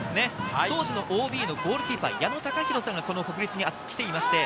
当時のＯＢのゴールキーパー・やのさんが、国立に来ています。